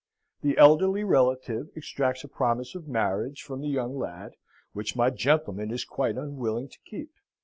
The elderly relative extracts a promise of marriage from the young lad, which my gentleman is quite unwilling to keep.